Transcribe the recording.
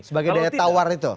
sebagai daya tawar itu